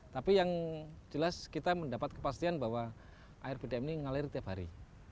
tapi yang jelas kita mendapat kepastian bahwa air bdm ini ngalir tiap hari